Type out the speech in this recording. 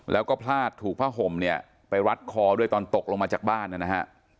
แล้วก็พลาดถูกผ้าห่มเนี่ยไปรัดคอด้วยตอนตกลงมาจากบ้านนะฮะ